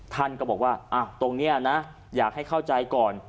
ท่านก็บอกว่าตรงนี้นะอยากให้เข้าใจก่อน